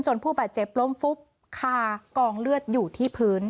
ผู้บาดเจ็บล้มฟุบคากองเลือดอยู่ที่พื้น